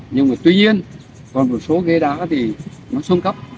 nhưng mà tuy nhiên còn một số ghế đá thì nó xuân cấp